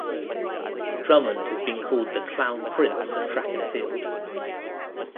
Drummond has been called the "Clown Prince" of Track and Field.